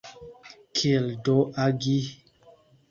Kiel do agi?